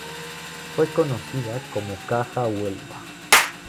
Fue conocida como Caja Huelva.